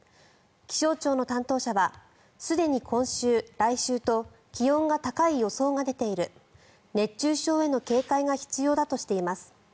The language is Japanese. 気象庁の担当者はすでに今週、来週と気温が高い予想が出ている熱中症への警戒が必要だとしています。